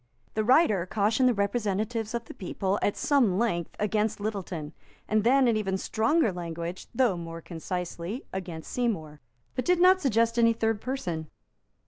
The writer cautioned the representatives of the people, at some length, against Littleton; and then, in even stronger language, though more concisely, against Seymour; but did not suggest any third person.